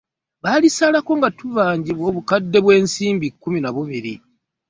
Baalisalako nga tubangibwa obukadde bw'ensimbi kkumi na bubiri